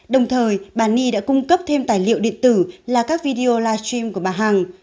đồng thời bà ni đã cung cấp thêm tài liệu điện tử là các video live stream của bà hằng